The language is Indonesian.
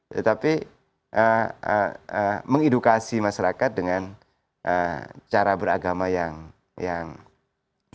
tetapi mengedukasi masyarakat dengan cara beragama yang